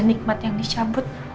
nikmat yang dicabut